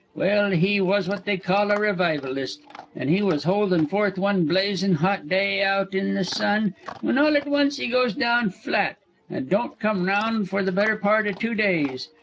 Well, he was what they call a revivalist, and he was holding forth one blazin' hot day out in the sun when all to once he goes down, flat, an' don't come round for the better part o' two days.